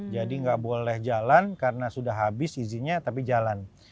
jadi nggak boleh jalan karena sudah habis izinnya tapi jalan